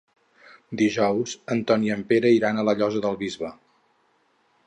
Dijous en Ton i en Pere iran a la Llosa del Bisbe.